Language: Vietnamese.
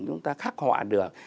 chúng ta khắc họa được